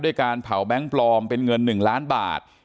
การเผาแบงค์ปลอมเป็นเงิน๑ล้านบาท